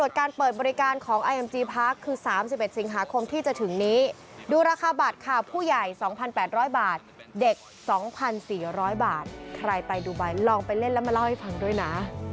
แล้วมาเล่าให้ฟังด้วยนะ